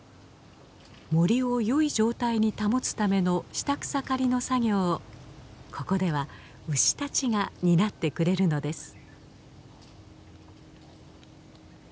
森をよい状態に保つための下草刈りの作業をここでは牛たちが担ってくれるのです。